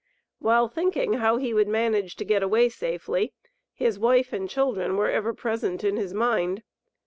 While thinking how he would manage to get away safely, his wife and children were ever present in his mind.